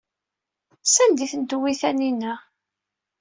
Sanda ay ten-tewwi Taninna?